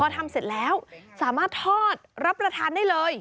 พอทำเสร็จแล้วสามารถทอดรับประทานได้เลย